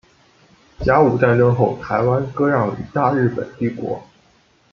甲午战争后台湾割让予大日本帝国。